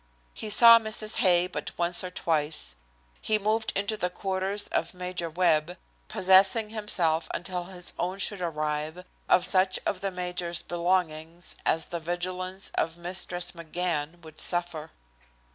He saw Mrs. Hay but once or twice. He moved into the quarters of Major Webb, possessing himself, until his own should arrive, of such of the major's belongings as the vigilance of Mistress McGann would suffer.